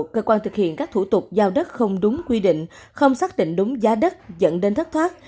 cơ quan thực hiện các thủ tục giao đất không đúng quy định không xác định đúng giá đất dẫn đến thất thoát